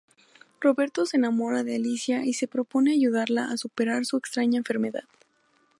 Roberto se enamora de Alicia y se propone ayudarla a superar su extraña enfermedad.